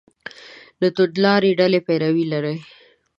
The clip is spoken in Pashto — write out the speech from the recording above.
له توندلارې ډلې توپیر لري.